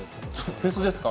フェスですか。